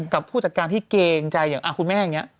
กับผู้จัดการที่เกรงใจอย่างคุณแม่อย่างนี้